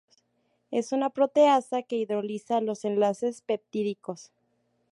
Es una proteasa que hidroliza los enlaces peptídicos.